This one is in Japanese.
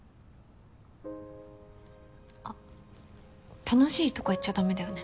あっ楽しいとか言っちゃだめだよね